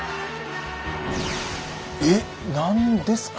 え⁉何ですか？